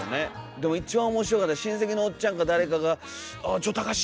でも一番面白かったのは親戚のおっちゃんか誰かが「あちょっと隆史